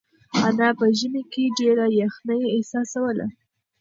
انا په ژمي کې ډېره یخنۍ احساسوله.